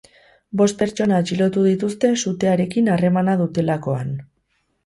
Bost pertsona atxilotu dituzte sutearekin harremana dutelakoan.